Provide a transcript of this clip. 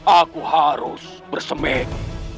aku harus bersemek